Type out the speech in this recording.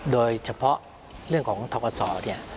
โดยเฉพาะเรื่องของธกษ์ศร